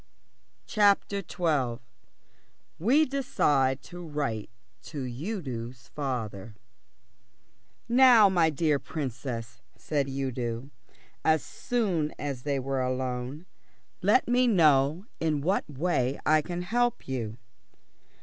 CHAPTER XII WE DECIDE TO WRITE TO UDO'S FATHER "Now, my dear Princess," said Udo, as soon as they were alone. "Let me know in what way I can help you."